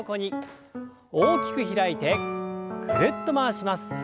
大きく開いてぐるっと回します。